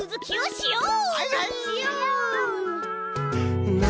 しよう！